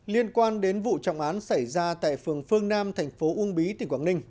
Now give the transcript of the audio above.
liên quan đến vụ trọng án xảy ra tại phường phương nam thành phố uông bí tỉnh quảng ninh